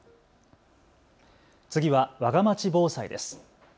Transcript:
次はわがまち防災です。